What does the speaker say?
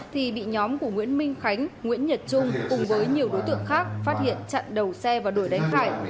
thì bị nhóm của nguyễn minh khánh nguyễn nhật trung cùng với nhiều đối tượng khác phát hiện chặn đầu xe và đuổi đánh phải